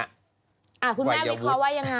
คุณแม่วิเคราะห์ว่ายังไง